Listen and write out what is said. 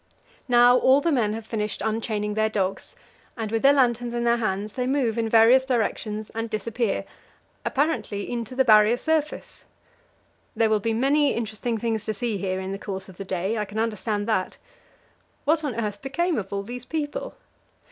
Now all the men have finished unchaining their dogs, and, with their lanterns in their hands, they move in various directions and disappear apparently into the Barrier surface. There will be many interesting things to see here in the course of the day I can understand that. What on earth became of all these people?